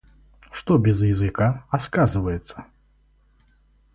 Что без языка, а сказывается?